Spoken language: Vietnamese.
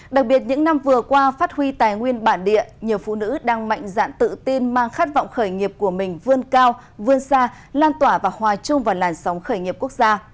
đặc biệt những năm vừa qua phát huy tài nguyên bản địa nhiều phụ nữ đang mạnh dạn tự tin mang khát vọng khởi nghiệp của mình vươn cao vươn xa lan tỏa và hòa chung vào làn sóng khởi nghiệp quốc gia